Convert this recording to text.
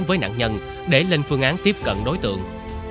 với nạn nhân để lên phương án tiếp cận đối tượng